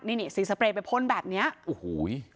นี่นี่สีสเปรย์ไปพ่นแบบเนี้ยโอ้โห